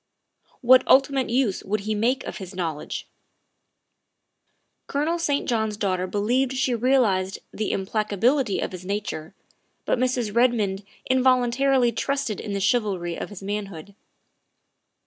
What ultimate use would he make of his knowledge? Colonel St. John's daughter believed she realized the implacability of his nature, but Mrs. Redmond involun tarily trusted in the chivalry of his manhood.